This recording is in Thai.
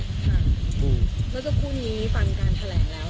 แล้วก็พูดนี้ฟังการแถลงแล้ว